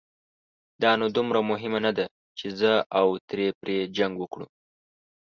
دا نو دومره مهمه نه ده، چې زه او ترې پرې جنګ وکړو.